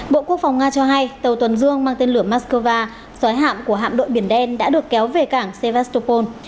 bộ quốc phòng nga cho hay tàu tuần dương mang tên lửa moscow sói hạm của hạm đội biển đen đã được kéo về cảng sevastopol